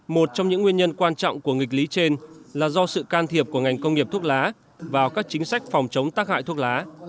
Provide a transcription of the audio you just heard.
một trong những nguyên nhân quan trọng của nghịch lý trên là do sự can thiệp của ngành công nghiệp thuốc lá vào các chính sách phòng chống tác hại thuốc lá